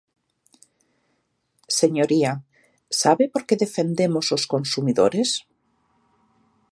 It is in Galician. Señoría, ¿sabe por que defendemos os consumidores?